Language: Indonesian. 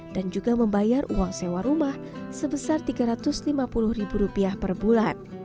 dan juga membayar uang sewa rumah sebesar tiga ratus lima puluh ribu rupiah per bulan